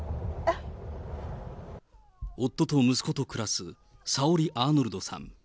夫と息子と暮らす、さおりアーノルドさん。